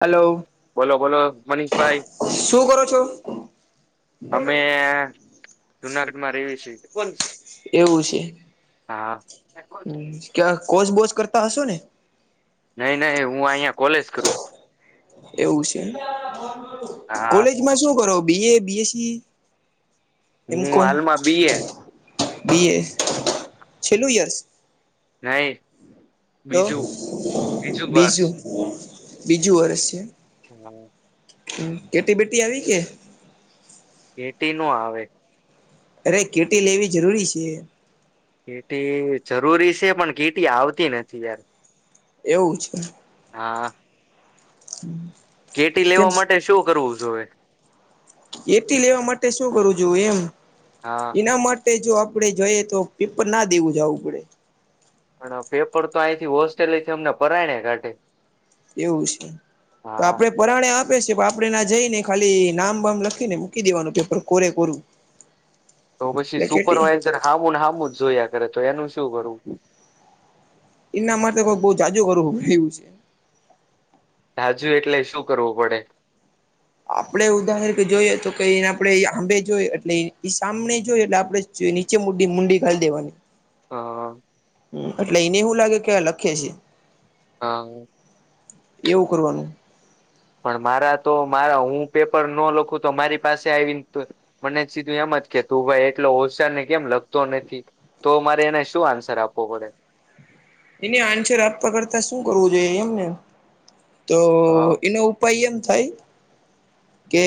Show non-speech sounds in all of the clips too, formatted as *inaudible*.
Hello બોલો બોલો મનીષભાઈ શું કરો છો? અમે જુનાગઢમાં રવી છીએ કોણ છે. એવું છે. હા ક્યાક કોચ બોચ કરતા હશો ને નહી નહી હું અહીંયા કોલેજ કરું. એવું છે, હા કોલેજમાં શું કરો બી એ, બીએસસી, એમ હું કોમ હાલમાં બી એ બી એ છેલ્લું ઇયર્સ નહી તો બીજું બીજું બીજું વર્ષ છે *unintelligible* કેટી બેટી આવી કે ઘેટી નો આવે અરે કેટી લેવી જરૂરી છે કીટી જરૂરી છે પણ કીટી આવતી નથી યાર એવું છે હા હમ્મ કેટી લેવા માટે શું કરવું જોવે કેટી લેવા માટે શું કરું જોું એમ હા એના માટે જો ઉપડે જોઈએ તો પેપર ના દેવું જાવ ઉપડે પણ પેપર તો અહીંથી હોસ્ટેલથી અમને પરાયને કાઢે એવું છે તો હા આપણે પરાણે આપ આપે છે આપણેે ના જઈને ખાલી નામ બામ લખીને મૂકી દેવાનું પેપર કોરે કોરું. તો પછી એટલે કેટલી સુપરવાઈઝર હામુન હામુ જોયા કરે તો એનું શું કરવું. એના માટે કોક બવ જાજુ કરું છે રાજુ એટલે શું કરવું પડે આપડણે ઉદાહરણ કે જોઈએ તો કે એને આપડે આંબે જોઈએ એટલે એ સામને જોઈએ એટલે આપણે નીચે મુંડી ઘાલી દેવાની હ હા હ એટલે એને એવું લાગે કે લખે છે હા એવું કરવાનું પણ મારા તો મારા હું પેપર ન લખું તો મારી પાસે આવીને મને સીધું એમ કે તું ભાઈ એટલો હોશયાર ને કેમ લખતો નથી તો મારે એને શું આન્સર આપવો પડે એને આન્સર હાથ પકડતા શું કરવું જોઈએ એમને તો હા એનો ઉપાય એમ થાય કે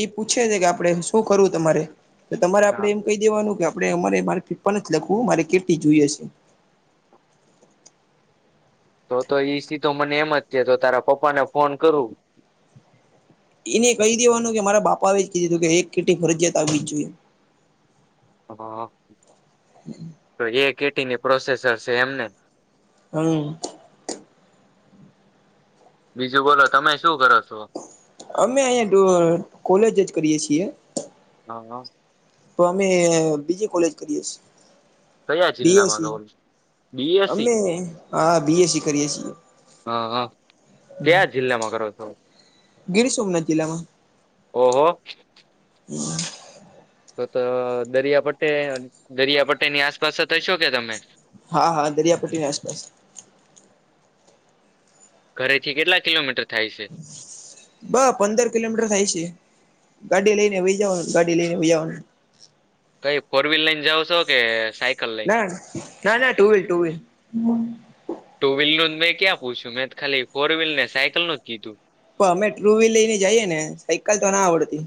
ઈ પૂછે છે કે આપડે શું કરવું તમારે તો તમારે આપણે હા એમ કહી દેવાનું કે આપણે અમારે મારે ફિફર નથી લખવું મારે કેટી જોઈએ હશે તો તો એઈ સીધો મને એમ જ છે તો તારા પપ્પાને ફોન કરું એને કહી દેવાનું કે મારા બાપા એ જ કીધીધું કે એક કેટી ફરજિયાત આવવી જ જોઈએ હા તો એ કેટીની પ્રોસેસર છે એમને હમ્મ બીજું બોલો તમે શું કરો છો અમે અહીિયાં કોલેજ જ કરીય છીએ હા તો અમે બીજી કોલેજ કરીએ છે. કયા જિલ્લામાં બીએસી કરો છો? બીએસસી અમે હા બીએસી કરીએ છીએ. હ હા ક્યાં જિલ્લામાં કરો છો. ગિર સોમનાથ જિલ્લામાં. ઓહો. હમ્મ. તો તો દરિયા પટ્ટે દરિયા પટ્ટેની આસપાસ થશો કે તમે હા હા દરિયાપટ્ટીની આસપાસ. ઘરેથી કેટલા કિલોમીટર થાય છે બહ પંદર કિલોમીટર થાય છે. ગાડી લઈ ને વઈજવાનું ગાડી લઈને વાઇઆવાનું. કઈ ફોર વ્હીલ લઈને જાવ છો કે સાય ના ના ના ટુવિલ ટુવિલ. ટુ વ્હીલ નું મેં ક્યાં પૂછ્યું મેં ખાલી ફોર વ્હીલર ને સાયકલ નું કીધું. તો અમે ટુ વ્હીલરને જઈએ ને સાયકલ તો ના આવડતી.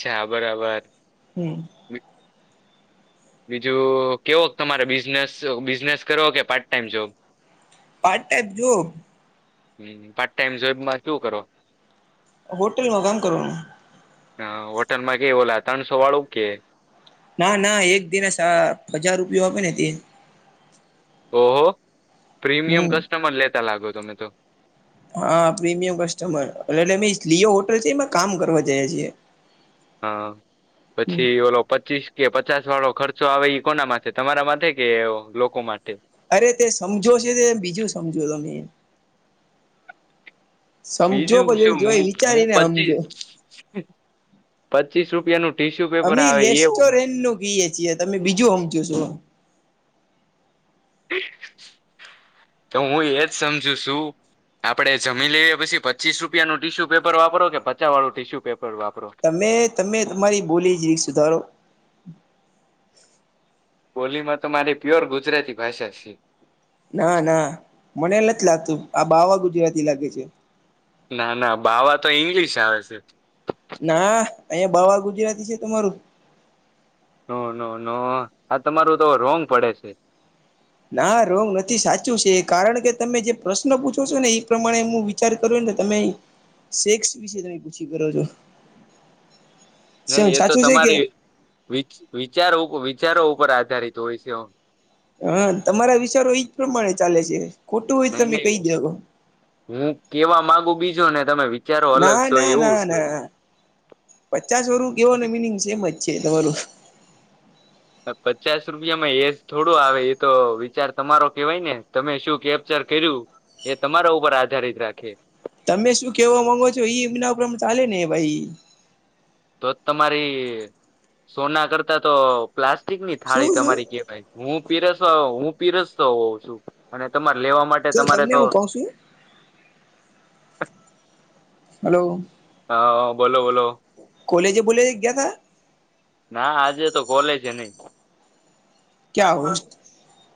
છે બરાબર. હમ. બી- બીજું કેવો તમારે બિઝનેસ બિઝનેસ કરો કે part time job? Part time job. હ પાર્ટ ટાઈમ જોબમાં શું કરો? હોટેલમાં કામ કરવાનું. હ હોટલમાં કે ઓલા ત્રણસો વાળું કે ના ના એક દિને સા હજાર રૂપિયો આપે ને તે. ઓહો પ્રીમિયમ હમ કસ્ટમર લેતા લાગો તમે તો. હા પ્રીમિયમ કસ્ટમર એટલે એટલે અ લિયો હોટલ છે એ કામ કરવા જયા છીએ. હા પછી ઓલો પચીસ કે પ પચાસ વાળો ખર્ચો આવે એ કોનામાં તમારા માટે કે લોકો માટે? અરે તે સમજો છે બીજું સમજો તમે. સમજો બીજું પછી શું હું જોય હું વિચારીને પચીસ સમજો. પચીસ રૂપિયાનું. ટીશ્યુ પેપર અમે આવે એ રેસ્ટોરેન્ટ ન કહીએ છીએ તમે બીજું સમમજુ છું. તો હું એજ સમજુ છું. આપડે જમી લઈએ પી પચીસ રૂપિયાનું ટીશ્યુ પેપર વાપરો કે પચા વાળું ટીશ્યુ પેપર? વાપરો તમે તમે તમારી બોલી જ રી સુધારો. બોલીમાં તો મારી પ્યોર ગુજરાતી ભાષા છે. ના ના મને નથી લાગતું આ બાવા ગુજરાતી લાગે છે. ના ના બાવા તો ઈંગ્લિશ આવે છે. ના અહીયાંયા બવા ગુજરાતી છે તમારું. ન ન ન આ તમારું તો રોંગ પડે છે. ના રોંગ નથી સાચું છે એ કારણ કે તમે જે પ્રશ્ન પૂછો છો ને એ પ્રમાણે હું વિચાર કર્યો તમે સેક્સ વિશે તમે પૂછી કરો છો. નહી શું એ તો સાચું છે કે તમારી વિ વિચાર. વિચારો ઉપર આધારિત હોય છે. હા તમારા વિચારો એજ પ્રમાણે ચાલે છે. ખોટું હોય નહી ન તમે કહી દો હું કેવા માગુ બીજોને તમે. વિચારો અલગ ના છો ના એવું ના છે ના પચાસ વરું કેવાનું મિનિંગ સેમ જ. ચીતા બલોું. પચાસ રૂપિયામાં એજ થોડો આવે એતો વિચાર તમારો કેવાય ને તમે શું કેબ ચ કર્યું એ તમારા ઉપર આધારિત રાખે. તમે શું કેવા માંગો છો એ એમના ઉપરા ચાલે ને ભાઈ. તો તમારી સોના કરતા તો. પ્લાસ્ટિકની શું થાળી શું તમારી કેવાય. હું પીરસ હું પીરસતો હોઉં અને તમારે લેવા માટે જો તમારે તમને તો હું કઉ છું હલો. હા બોલો બોલો કોલેજે બોલેજ ગયા તા ના આજે તો કોલેજ નહી. ક્યાં હોસ્તેલ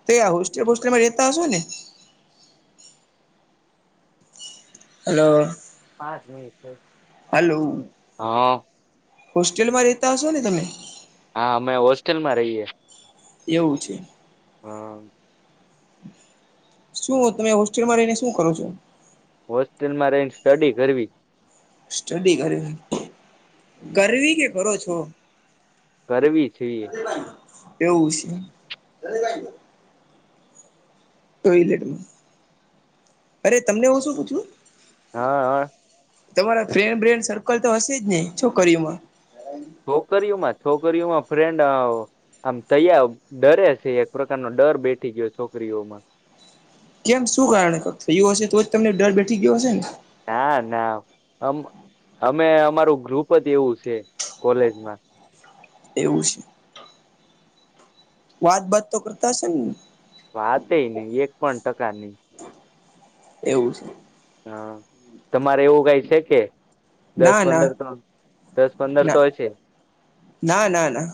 તો હોસ્ટેલ બસ્ટેલમાં રેતા હશો ને? હલો પાંચ મિનિટ છે હલો હા. હોસ્ટેલમાં રહેતા હશો ને તમે? હા અમે હોસ્ટેલમાં રહીએ એવું છે. હા શું તમે હોસ્ટેલમાં રહીને શું કરો છો હોસ્ટેલમાં રહીને સ્ટડી કરવી સ્ટડી કરવી કે કરો છો કરવી જોએ એવું છે ટોલેટમાં અરે તમને હું શું પૂછું હા હા તમારા ફ્રેન્ડ બ્રેન્ડ સર્કલ તો હશે જ ને છોકરીમાં છોકરીઓમાં છોકરીઓમાં ફ્રેન્ડો આમ તયા ડરે છે એક પ્રકારનો ડર બેઠી ગયો છોકરીઓમાં કેમ શું કારણે કક થયું હશે તો જ તમને ડર બેઠી ગયો હશે ને ના નામ અમે અમારું ગ્રુપ જ એવું છે કોલેજમાં એવું છે વાત બાત તો કરતા હશે ને? વાત એય નઈ, એક પણ ટકાની. એવું છે. હા તમારે એવું કઈ છે કે દસ ના ના પંદર તો દસ પંદર તો ના હ છે ના ના ના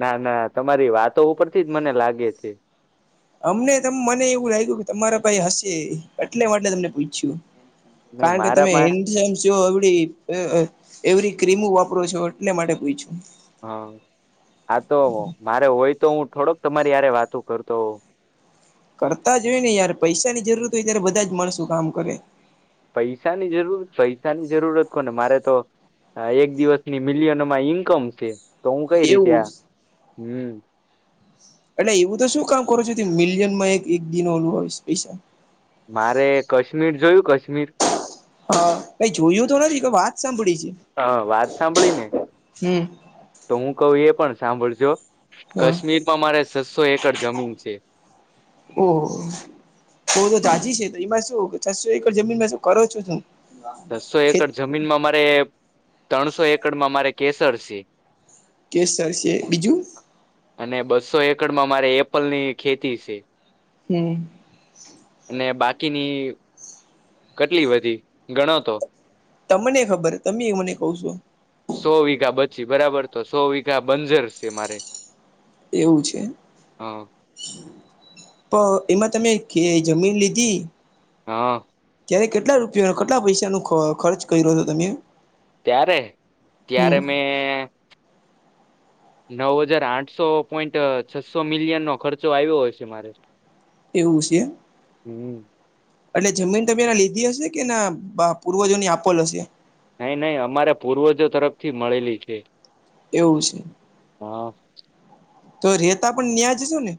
ના ના તમારી વાતો ઉપરથી જ મને લાગે છે અમને ત મને એવું લાગ્યું કે તમારા ભાઈ હશે એટલે માટે મેં તમને પૂછ્યું નહી કારણ કે તમે મારામાં હિન્ટ જો એવડી એવડી ક્રીમો વાપરો છો એટલે માટે પૂછ્યું હા આ તો મારે હોય તો હું થોડોક તમારી હારે વાતો કરતો હો કરતા જ હોય ને યાર પૈસા ની જરૂરત હોય ત્યારે બધા જ મળશું કામ કરે પૈસા ની જરૂર પૈસાની જરૂરત કોને મારે તો હ એક દિવસની મિલિયનમાં ઈન્કમ છે તો હું કઈ રીતે એવું આ હમ એટલે એવું તો શું કામ કરું છો મિલિયનમાં એક એક દિન ઓલું હોય પૈસા મારે કાશ્મીર જોયું કાશ્મીર હા કઈ જોયું તો નથી વાત સાંભળી છે હા વાત સાંભળી ને હમ તો હું કહું એ પણ સાંભળજો હા કાશ્મીરમાં મારે છસો એકડ જમીન છે ઓહ તો તો જાજી છે તો એમાં શું છસો એકર જમીનમાં શ કરો છો શું છસો ખેત એકર જમીનમાં મારે ત્રણસો એકડમાં મારે કેસર છે કેસર છે બીજું અને બસસો એકડ માં મારે એપલની ખેતી છે. હમ્મ. અને બાકીની કેટલી વધી, ગણો તો? તમને ખબર, તમે એ મને કહ છો. સો વીઘા બચી બરાબર, તો સો વીઘા બંજર છે, મારે. એવું છે હ પણ એમાં તમે જમીન લીધી હા. ત્યારે કેટલા રૂપિયાનો, કેટલા પૈસાના ખર્ચ કર્યોતો, તમે? ત્યારે, ત્યારે હમ મેં નવ હજાર આઠસો પોઈન્ટ છસો મિલિયન નો ખર્ચો આવ્યો હશે મારે એવું છે, એમ. હમ એટલે જમીન તમીને લીધી હશે, કે ના પૂર્વજોની આપોલ હશે? નઈ, નઈ અમારે પૂર્વજો તરફથી મળેલી છે. એવું છે હા. તો રેતા પણ ન્યાજ છો ને?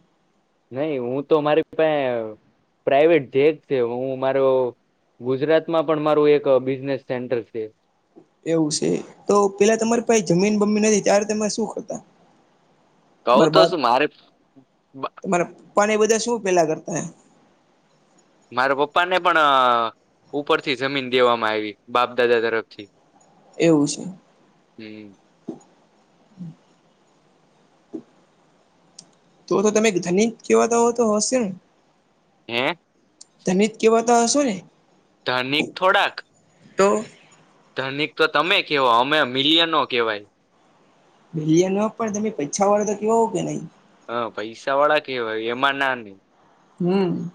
નઈ હું તો મારી પા પ્રાઈવેટ જેટ છે. હું મારો ગુજરાતમાં પણ મારું એક બિઝનેસ સેન્ટર છે. એવું છે તો પેલા તમારી પાહે જમીન બમીન નથી ત્યારે તમે શું કરતા? કઉ તમારા તો બાપ, શું મારે તમારા પપ્પા ને બધા શું પેલા કરતા? મારા પપ્પા ને પણ ઉપરથી જમીન દેવામાં આઈવી, બાપ દાદા તરફથી. એવું છે. હમ તો તો તમે ધનિક કેહેવાતા હો તો હોશે? એમ તને જ કેવાતા, હશો ને? ધનિક થોડાક. તો ધનિક તો તમે કેવાઓ, અમે મિલિયનો કેવાય. બિલિયનો પણ તમે પૈછા વાળો તો કેવાવો કે નઈ. પૈસા વાળા કેવાય એમાં ના નઈ હમ્મ.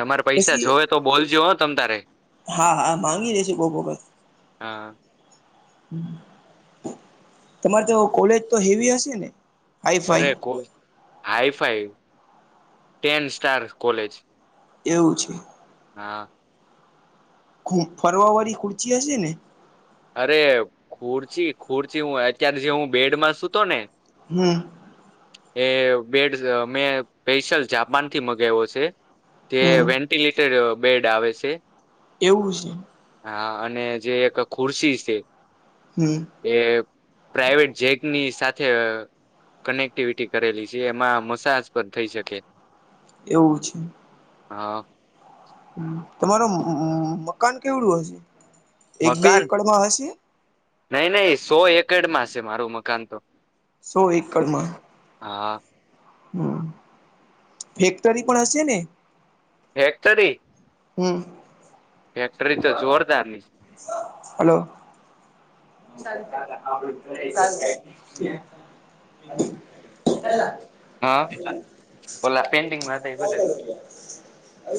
તમારે પૈસા પછી જોવે તો બોલજો હો તમ તારે? હા, હા માંગી લેશે કોઈક વખત હા. તમારે તો કોલેજ તો હેવી હશે ને? હાઈ અરે ફાઈ કો hi fi ten star college. એવું છે. હા. ફરવા વાળી ખુર્ચી હશે ને? અરે ખુર્ચી ખુર્ચી હું અત્યારે જે હું બેડમાં સુુંતો ને હમ્મ. એ બેડ મેં સ્પેશિયલ જાપાન થી મગાવ્યો છે. તે હમ વેન્ટિલેટર બેડ આવે છે. એવું છે. હા, અને જે એક ખુરશી છે. હમ એ પ્રાઈવેટ જેકની સાથે કનેક્ટિવિટી કરેલી છે, એમાં મસાજ પણ થઈ શકે એવુ છે. હા તમારું મકાન કેવડું હશે? એક બે મકાન, એકડમાં હશે નહી નહી સો એકડ માં છે મારું મકાન તો. સો એકડમાં. હા. હમ ફેક્ટરી પણ હશે ને? ફેક્ટરી હમ. ફેક્ટરી તો જોરદાર ની. હલો *inaudible* હા ઓલા પેન્ટિંગ માટે બધા *inaudible*